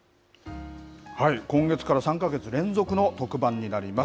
今月から３か月連続の特番になります。